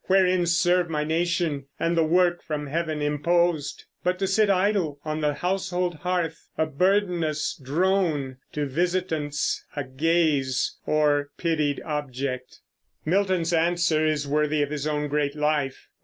wherein serve My nation, and the work from Heaven imposed? But to sit idle on the household hearth, A burdenous drone; to visitants a gaze, Or pitied object. Milton's answer is worthy of his own great life.